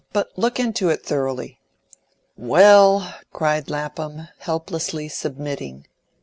But look into it thoroughly." "Well!" cried Lapham, helplessly submitting.